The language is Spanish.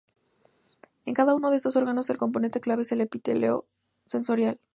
En cada uno de estos órganos el componente clave es el epitelio sensorial.